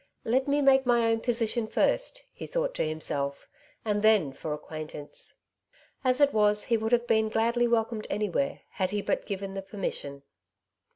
^^Let me make my own position first,^^ he thought to himself, ^^and then for acquaintance.^' As it was, he would have been gladly welcomed anywhere had he but given the permission.